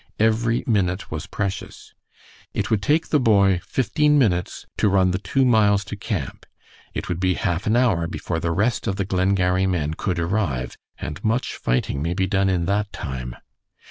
Every minute was precious. It would take the boy fifteen minutes to run the two miles to camp. It would be half an hour before the rest of the Glengarry men could arrive, and much fighting may be done in that time.